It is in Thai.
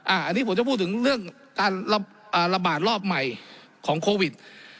อันนี้ผมจะพูดถึงเรื่องการระบาดรอบใหม่ของโควิด